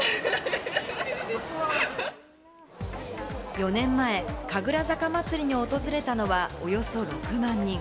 ４年前、神楽坂まつりに訪れたのはおよそ６万人。